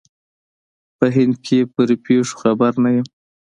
په هند کې پر پېښو خبر نه یم.